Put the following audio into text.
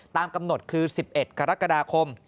ตามกำหนดคือ๑๑กรกฎาคม